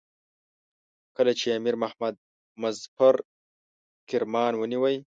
کله چې امیر محمد مظفر کرمان ونیوی.